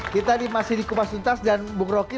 kita masih di kupas tuntas dan bung roky